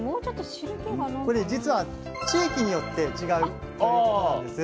これ実は地域によって違うということなんです。